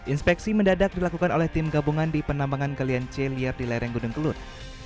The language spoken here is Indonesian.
inspeksi mendadak dilakukan oleh tim gabungan di penambangan galian c liar di lereng gunung kelut